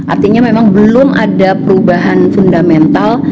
artinya memang belum ada perubahan fundamental